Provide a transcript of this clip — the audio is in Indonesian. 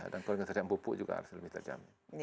dan kalau kita terjamin pupuk juga harus lebih terjamin